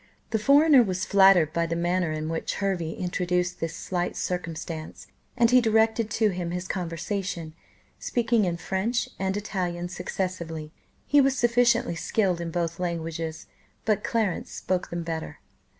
The foreigner was flattered by the manner in which Hervey introduced this slight circumstance, and he directed to him his conversation, speaking in French and Italian successively; he was sufficiently skilled in both languages, but Clarence spoke them better.